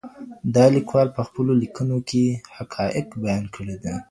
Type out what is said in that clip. دا ليکوال په خپلو ليکنو کي حقايق بيان کړي دي.